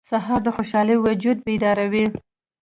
سهار د خوشحال وجود بیداروي.